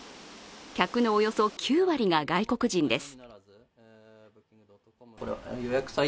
客のおよそ９割が外国人です。